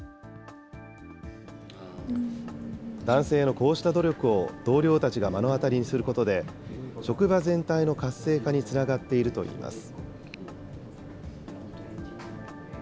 男性のこうした努力を同僚たちが目の当たりにすることで、職場全体の活性化につながっているといいます。